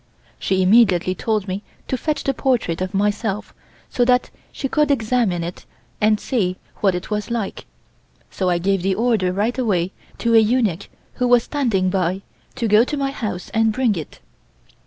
She immediately told me to fetch the portrait of myself so that she could examine it and see what it was like, so I gave the order right away to a eunuch who was standing by to go to my house and bring it.